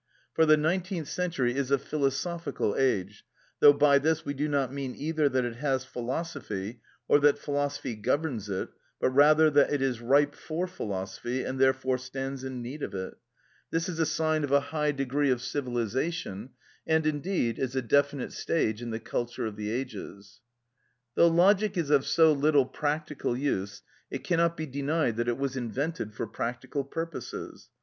For the nineteenth century is a philosophical age, though by this we do not mean either that it has philosophy, or that philosophy governs it, but rather that it is ripe for philosophy, and, therefore, stands in need of it. This is a sign of a high degree of civilisation, and indeed, is a definite stage in the culture of the ages.(14) Though logic is of so little practical use, it cannot be denied that it was invented for practical purposes.